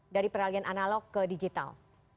dari peralihan analog ke digital